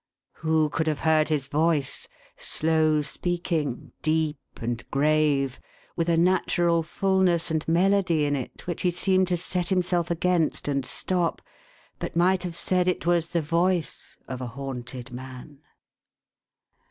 Who could have heard his voice, slow speaking, deep, and grave, with a natural fulness and melody in it which he seemed to set himself against and stop, but might have said it was the voice of a haunted man